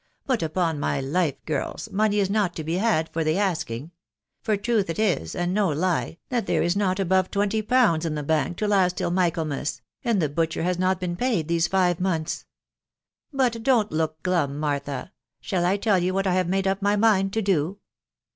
But, upon my life, girls, money is not to be had for the asking; for truth it is, and no lie, that there is not above trrenty pounds in the bank to last till Michaelmas, and tiae THE WIDOW BARNABT. J batcher has not been paid these five months. Hut don't look glum, Martha !.••• Shall I tell you what I have made up m. mind to do?"